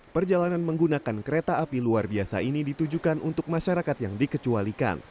perjalanan menggunakan kereta api luar biasa ini ditujukan untuk masyarakat yang dikecualikan